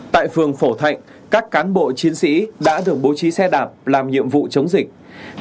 tại phường phổ thạnh các cán bộ chiến sĩ đã được bố trí xe đạp làm nhiệm vụ chống dịch